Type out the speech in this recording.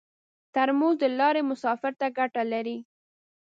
ترموز د لارې مسافر ته ګټه لري.